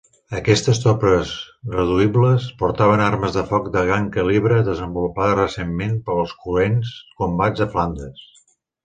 Aquestes tropes reduïbles portaven armes de foc de gran calibre desenvolupades recentment per als cruents combats a Flandes.